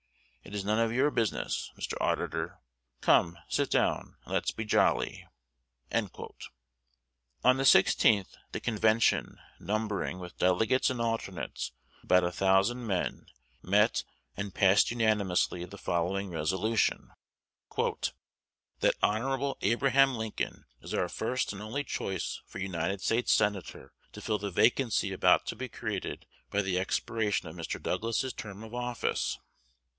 "It is none of your business, Mr. Auditor. Come, sit down, and let's be jolly." On the 16th, the convention, numbering, with delegates and alternates, about a thousand men, met, and passed unanimously the following resolution: "That Hon. Abraham Lincoln is our first and only choice for United States senator to fill the vacancy about to be created by the expiration of Mr. Douglas's term of office."